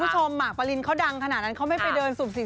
ชมคุณผู้จำหรือข้อโลกใบนี้